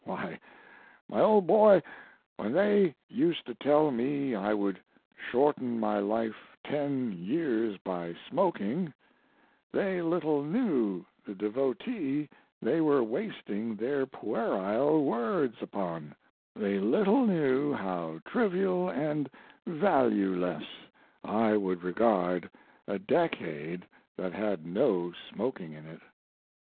why, my old boy, when they used to tell me I would shorten my life ten years by smoking, they little knew the devotee they were wasting their puerile words upon; they little knew how trivial and valueless I would regard a decade that had no smoking in it!